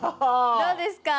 どうですか？